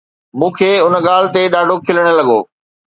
مون کي ان ڳالهه تي ڏاڍو کلڻ لڳو.